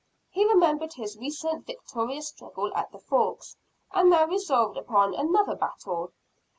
He remembered his recent victorious struggle at the Forks, and now resolved upon another battle.